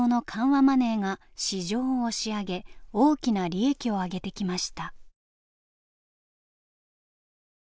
マネーが市場を押し上げ大きな利益を上げてきました。